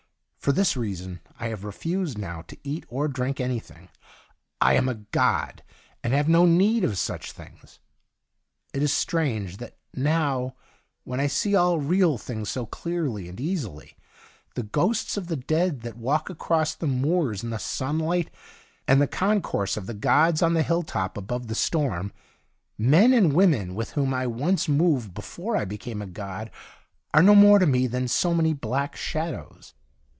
For this reason I have refused now to eat or drink anything ; I am a god and have no need of such things. It is strange that now when I see all real things so clearly and easily — the ghosts of the dead that walk across the moors in the sunlight and the concourse of the gods on the 24 THE DIARY OF A GOD hill top above the storm — men and women with whom I once moved before I became a god are no more to me than so many black shadows.